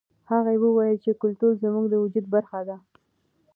هغه وویل چې کلتور زموږ د وجود برخه ده.